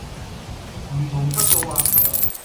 唔同級數呀